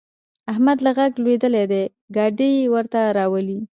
احمد له غږه لوېدلی دی؛ ګاډی ورته راولي.